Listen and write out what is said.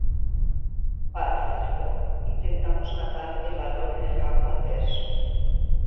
Para hacerlo, intentamos "matar" el balón en el campo adverso.